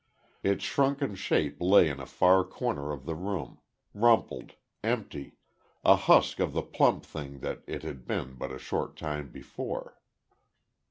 Its shrunken shape lay in a far corner of the room, rumpled, empty, a husk of the plump thing that it had been but a short time before.